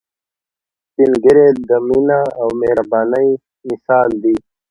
سپین ږیری د مينه او مهربانۍ مثال دي